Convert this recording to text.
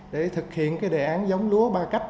để thực hiện đề án giống lúa ba cách